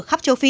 khắp châu phi